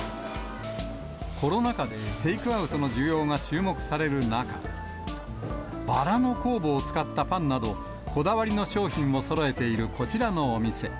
コロナ禍でテイクアウトの需要が注目される中、バラの酵母を使ったパンなど、こだわりの商品をそろえている、こちらのお店。